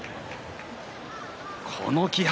この気迫。